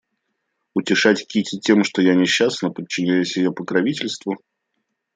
Утешать Кити тем, что я несчастна, подчиняться ее покровительству?